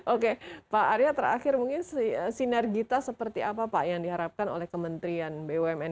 oke pak arya terakhir mungkin sinergita seperti apa pak yang diharapkan oleh kementerian bumn